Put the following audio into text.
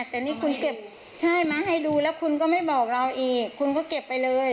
มาให้ดูใช่มาให้ดูแล้วคุณก็ไม่บอกเราอีกคุณก็เก็บไปเลย